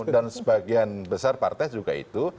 dan sebagian besar partai juga itu